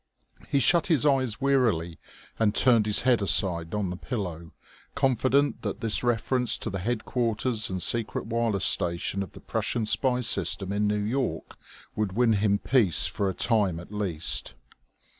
He shut his eyes wearily and turned his head aside on the pillow, confident that this reference to the headquarters and secret wireless station of the Prussian spy system in New York would win him peace for a time at least.